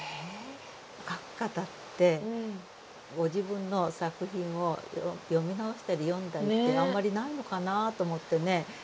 書く方ってご自分の作品を読み直したり読んだりってあんまりないのかなと思ってね